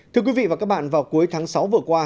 thưa quý vị và các bạn vào cuối tháng sáu vừa qua